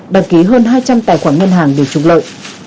đăng ký hơn hai trăm linh tài khoản ngân hàng để trục lợi